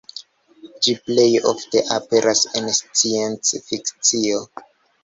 Ĝi plej ofte aperas en scienc-fikcio.